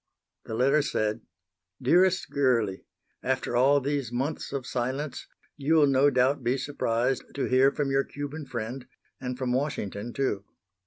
The letter said: Dearest Girlie After all these months of silence, you will no doubt be surprised to hear from your Cuban friend, and from Washington, too.